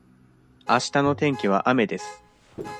あしたの天気は雨です。